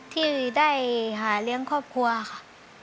ที่ได้หาเลี้ยงครอบครัวค่ะ